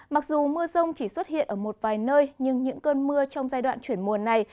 mặc dù mưa rông chỉ xuất hiện ở một vài nơi nhưng những cơn mưa trong giai đoạn chuyển mùa này